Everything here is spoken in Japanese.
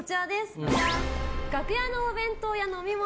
楽屋のお弁当や飲み物